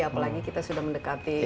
apalagi kita sudah mendekati